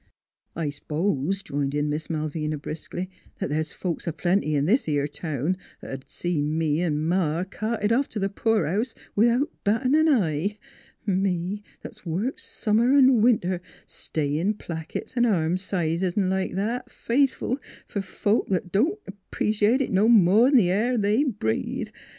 " I s'pose," joined in Miss Malvina briskly, " that there's folks a plenty in this 'ere town 'at 'd seen me an' Ma carted off t' the poorhouse without battin' an eye me that's worked summer 'n' win ter, stayin' plackets an' arm sizes 'n' like that, faithful, fer folks 'at don't 'predate it no more 'n' the air they breathe.